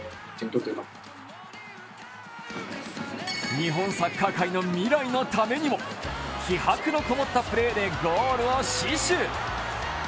日本サッカー界の未来のためにも気迫のこもったプレーでゴールを死守。